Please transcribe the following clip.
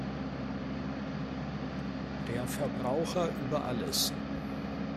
Der Verbraucher über alles!